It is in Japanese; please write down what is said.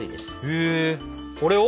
へーこれを？